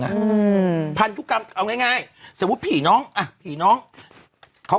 นะอือภันธุครรมเอาง่ายสมมุติผีน้องอะผีน้องเขา